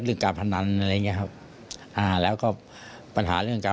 แล้วพอมาวันวันที่สองก็เกิดเหตุเลยครับ